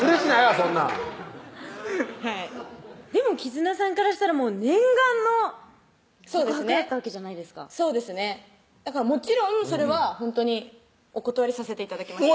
そんなんはいでも真如月さんからしたら念願の告白だったわけじゃないですかそうですねだからもちろんそれはほんとにお断りさせて頂きました